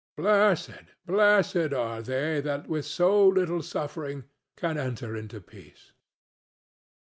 Blessed, blessed are they that with so little suffering can enter into peace!"